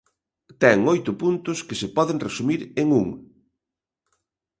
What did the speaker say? Ten oito puntos que se poden resumir en un.